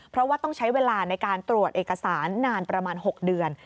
เพราะว่าต้องใช้เวลาในการตรวจเอกสารนานประมาณ๖เดือน